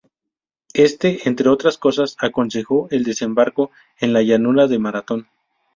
Éste, entre otras cosas, aconsejó el desembarco en la llanura de Maratón.